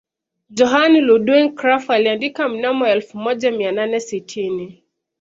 Johann Ludwig Krapf aliandika mnamo elfu moja mia nane sitini